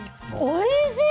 おいしい。